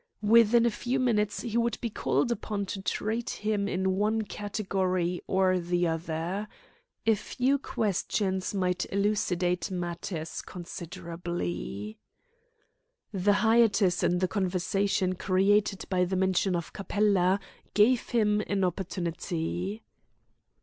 Within a few minutes he would be called upon to treat him in one category or the other. A few questions might elucidate matters considerably. The hiatus in the conversation created by the mention of Capella gave him an opportunity.